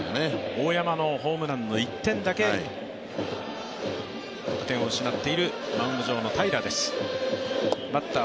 大山のホームランの１点だけ得点を失っているマウンド上の平良です。